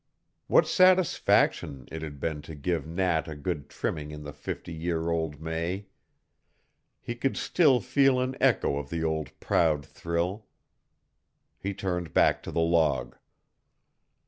What satisfaction it had been to give Nat a good trimming in the fifty year old May. He could still feel an echo of the old proud thrill. He turned back to the log.